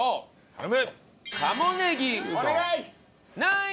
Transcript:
頼む！